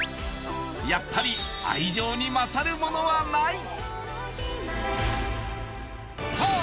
やっぱり愛情に勝るものはないさあ